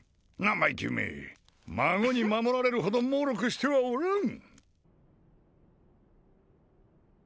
生意気め孫に守られるほどもうろくしてはおらん！